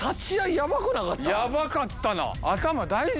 ヤバかったな。